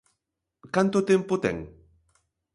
Canto tempo ten?